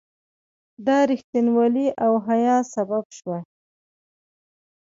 دا رښتینولي او حیا سبب شوه.